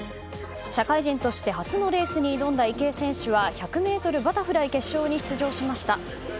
社会人として初のレースに挑んだ池江選手は１００ｍバタフライ決勝に出場しました。